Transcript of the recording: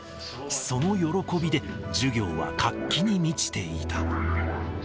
その喜びで、授業は活気に満ちていた。